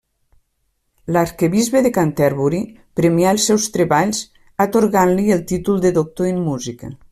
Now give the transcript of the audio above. L'arquebisbe de Canterbury premià els seus treballs atorgant-li el títol de doctor en música.